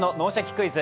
クイズ」